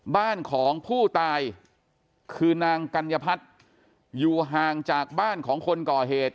บ้านของผู้ตายคือนางกัญญพัฒน์อยู่ห่างจากบ้านของคนก่อเหตุ